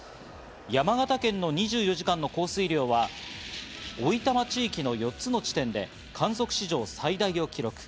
山形県の２４時間の降水量は置賜地域の４つの地点で観測史上最大を記録。